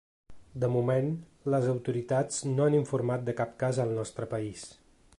De moment, les autoritats no han informat de cap cas al nostre país.